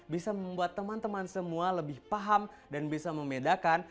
bisa membuat teman teman semua lebih paham dan bisa membedakan